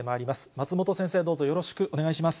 松本先生、どうぞよろしくお願いします。